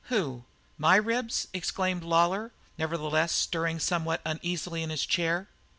"Who? My ribs?" exclaimed Lawlor, nevertheless stirring somewhat uneasily in his chair.